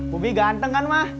bubi ganteng kan ma